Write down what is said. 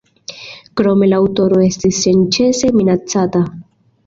Krome la aŭtoro estis senĉese minacata.